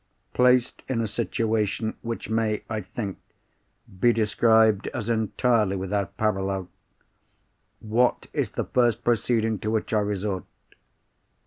Placed in a situation which may, I think, be described as entirely without parallel, what is the first proceeding to which I resort?